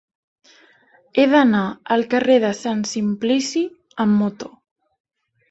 He d'anar al carrer de Sant Simplici amb moto.